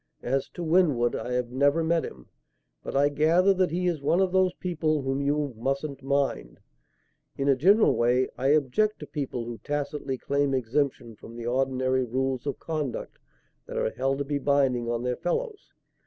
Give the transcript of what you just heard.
As to Winwood, I have never met him, but I gather that he is one of those people whom you 'mustn't mind.' In a general way, I object to people who tacitly claim exemption from the ordinary rules of conduct that are held to be binding on their fellows.